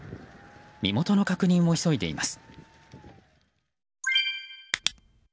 身元の確認を急いでいます。